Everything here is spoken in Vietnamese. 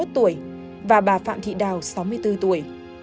hai mươi một tuổi và bà phạm thị đào sáu mươi bốn tuổi